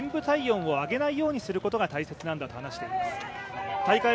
深部体温を上げないようにすることが大切なんだと話していました。